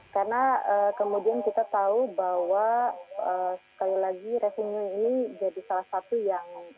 karena kemudian bisa dikawasi dengan pemerintah sendiri